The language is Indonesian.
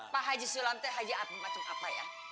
pak haji sulam teh haji apa apa ya